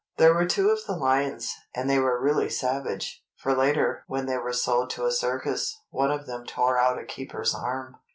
There were two of the lions, and they were really savage, for later when they were sold to a circus, one of them tore out a keeper's arm.